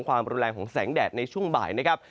ความรุนแรงของแสงแดดในช่วงบ่ายนะครับ